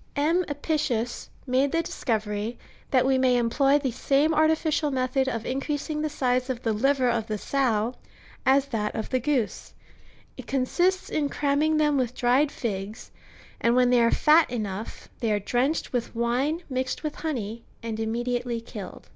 ^ M. Apicius" made the discovery, that we may employ the same artificial method of increasing the size of the liver of the sow, as of that of the goose f it consists in cramming them with dried figs, and when they are fat enough, they are di^enched with wine mixed with honey, and immediately killed.